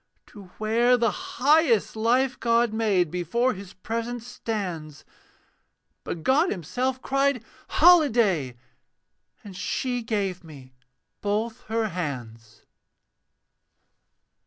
To where the highest life God made Before His presence stands; But God himself cried, 'Holiday!' And she gave me both her hands.